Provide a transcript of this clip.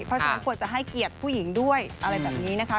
เพราะฉะนั้นควรจะให้เกียรติผู้หญิงด้วยอะไรแบบนี้นะคะ